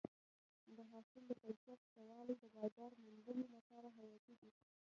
د حاصل د کیفیت ښه والی د بازار موندنې لپاره حیاتي دی.